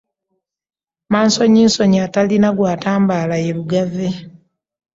Mansonyisonyi atalina gw'atambaala ye Lugave